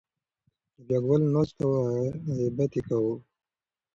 رابعه ګل ناسته وه او غیبت یې کاوه.